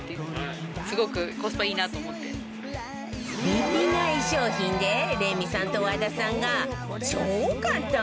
リピ買い商品でレミさんと和田さんが超簡単！